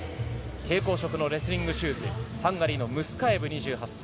蛍光色のレスリングシューズハンガリーのムスカエブ２８歳。